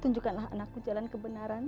tunjukkanlah anakku jalan kebenaran